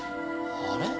あれ？